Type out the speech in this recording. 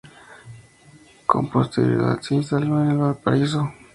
Con posterioridad se instaló en Valparaíso.